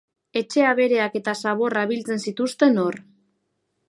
Etxe abereak eta zaborra biltzen zituzten hor.